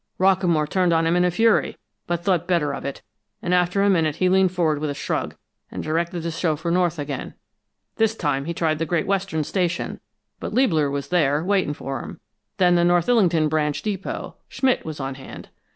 "Rockamore turned on him in a fury, but thought better of it, and after a minute he leaned forward with a shrug, and directed the chauffeur north again. This time he tried the Great Western Station, but Liebler was there, waiting for him; then the North Illington branch depot Schmidt was on hand.